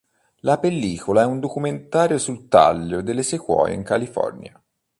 La pellicola è un documentario sul taglio delle sequoie in California.